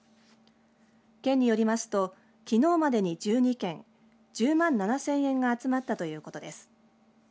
県によりますときのうまでに１２件１０万７０００円が集まったということです。